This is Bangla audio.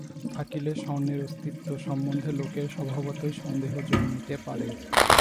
থাকিলে স্বর্ণের অস্তিত্ব সম্বন্ধে লোকের স্বভাবতই সন্দেহ জন্মিতে পারে।